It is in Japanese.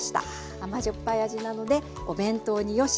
甘じょっぱい味なのでお弁当によし！